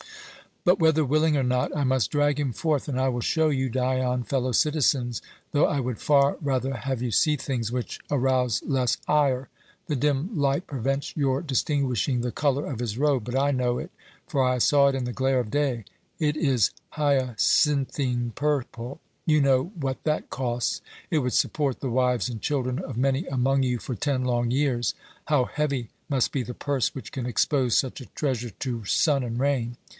But whether willing or not, I must drag him forth, and I will show you Dion, fellow citizens, though I would far rather have you see things which arouse less ire. The dim light prevents your distinguishing the colour of his robe, but I know it, for I saw it in the glare of day. It is hyacinthine purple. You know what that costs. It would support the wives and children of many among you for ten long years. 'How heavy must be the purse which can expose such a treasure to sun and rain!'